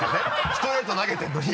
ストレート投げてるのに。